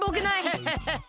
ハハハハ！